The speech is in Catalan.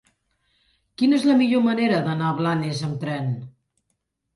Quina és la millor manera d'anar a Blanes amb tren?